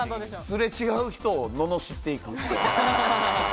すれ違う人を、罵っていく。